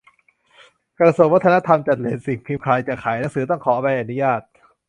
กระทรวงวัฒนธรรม 'จัดเรต' สิ่งพิมพ์ ใครจะขายหนังสือต้องขอใบอนุญาต